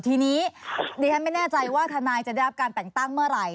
ทีนี้ดิฉันไม่แน่ใจว่าทนายจะได้รับการแต่งตั้งเมื่อไหร่